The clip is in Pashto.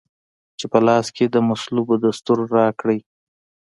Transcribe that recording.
چي په لاس کې د مصلوبو دستور راکړی